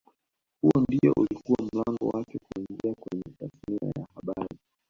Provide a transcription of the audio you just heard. Huo ndio ulikuwa mlango wake kuingia kwenye tasnia ya habari